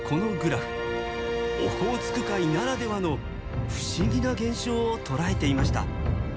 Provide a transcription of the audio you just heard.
オホーツク海ならではの不思議な現象を捉えていました。